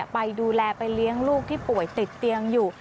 ไปดูแลไปเลี้ยงลูกที่ป่วยติดเตียงอยู่